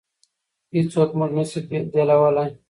هېڅوک موږ نشي بېلولی.